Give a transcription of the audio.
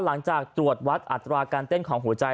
หลังจากตรวจวัดอัตราการเต้นของหัวใจ